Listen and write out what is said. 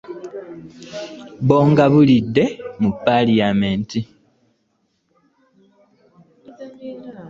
Bo ng’abaludde mu Paliyamenti?